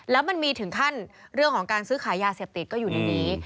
แล้วมันมีถึงขั้นเรื่องของการซื้อขายยาเสพติดก็อยู่ในนี้